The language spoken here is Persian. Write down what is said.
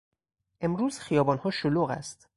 امروز خیابانها شلوغ است.